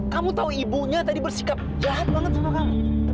kamu tahu ibunya tadi bersikap jahat banget sama kamu